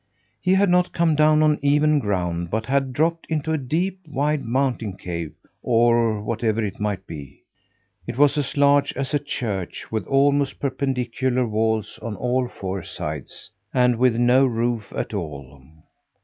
He had not come down on even ground, but had dropped into a deep, wide mountain cave or whatever it might be. It was as large as a church, with almost perpendicular walls on all four sides, and with no roof at all.